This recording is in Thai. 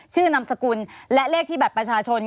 นามสกุลและเลขที่บัตรประชาชน